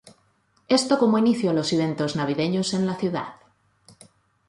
Esto como inicio a los eventos navideños en la ciudad.